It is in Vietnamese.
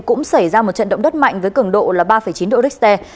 cũng xảy ra một trận động đất mạnh với cứng độ ba chín độ richter